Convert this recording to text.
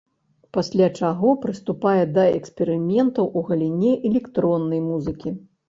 Пасля чаго прыступае да эксперыментаў у галіне электроннай музыкі.